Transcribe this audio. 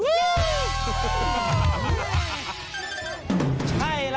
เฮยกตำบล